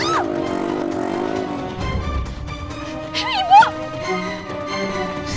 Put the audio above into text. jangan lari loh